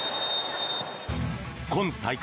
今大会